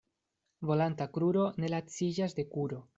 Volanta kruro ne laciĝas de kuro.